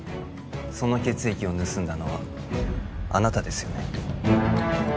その血液を盗んだのはあなたですよね？